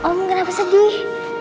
om kenapa sedih